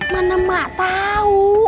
mana mak tau